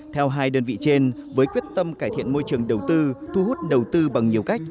theo hai đơn vị trên với quyết tâm cải thiện môi trường đầu tư thu hút đầu tư bằng nhiều cách